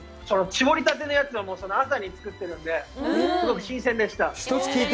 搾りたてのやつは朝に作ってるんですごく新鮮でした。